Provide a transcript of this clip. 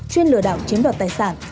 chuyên lừa đảo chiếm đoạt tài sản